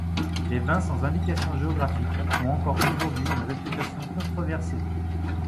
Les vins sans indication géographique ont encore aujourd'hui une réputation controversée.